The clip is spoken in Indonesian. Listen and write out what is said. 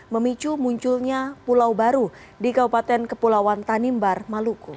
memicu munculnya pulau baru di kabupaten kepulauan tanimbar maluku